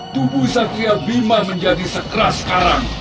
tubuh satria bhima menjadi sekeras karang